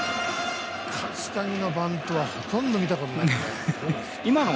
梶谷のバントはほとんど見たことないですね。